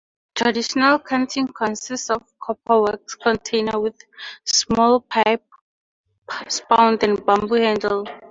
Traditional canting consists of copper wax-container with small pipe spout and bamboo handle.